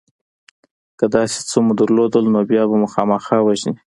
که داسې څه مو درلودل نو بیا به مو خامخا وژني